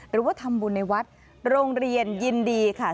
หรือว่าทำบุญในวัดโรงเรียนยินดีค่ะ